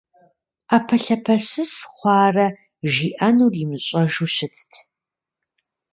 Ӏэпэлъапэсыс хъуарэ жиӏэнур имыщӏэжу щытт.